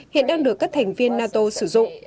hiện đang được các thành viên nato sử dụng